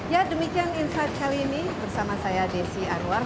ya demikian insight kali ini bersama saya desi anwar